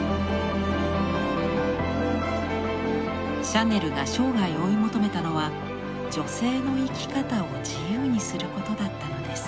シャネルが生涯追い求めたのは女性の生き方を自由にすることだったのです。